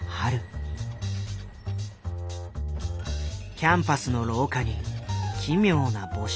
キャンパスの廊下に奇妙な募集